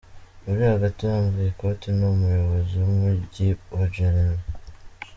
Uri hagati wambaye ikote ni Umuyobozi w’Umujyi wa Jeremy.